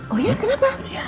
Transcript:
oh ya kenapa